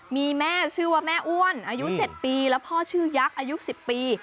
มีแม่ชื่อว่าแม่อ้วนอายุ๗ปีแล้วพ่อชื่อยักษ์อายุ๑๐ปี